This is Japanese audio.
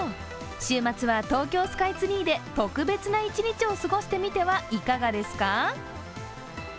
週末は東京スカイツリーで特別な一日を過ごしてみてはいかがですか。